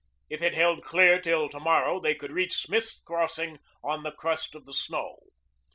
If it held clear till to morrow they could reach Smith's Crossing on the crust of the snow.